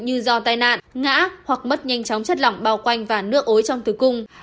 như do tai nạn ngã hoặc mất nhanh chóng chất lỏng bao quanh và nước ối trong tử cung